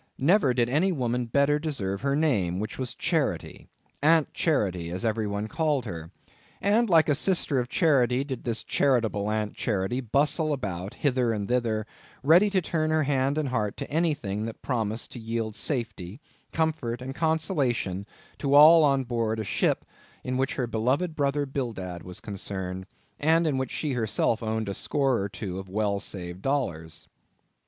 Never did any woman better deserve her name, which was Charity—Aunt Charity, as everybody called her. And like a sister of charity did this charitable Aunt Charity bustle about hither and thither, ready to turn her hand and heart to anything that promised to yield safety, comfort, and consolation to all on board a ship in which her beloved brother Bildad was concerned, and in which she herself owned a score or two of well saved dollars.